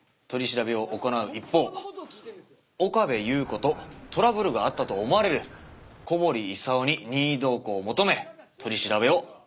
岡部祐子とトラブルがあったと思われる小堀功に任意同行を求め取り調べを始めています。